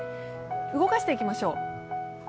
動かしていきましょう。